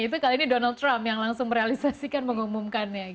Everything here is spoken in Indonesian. itu kali ini donald trump yang langsung merealisasikan mengumumkannya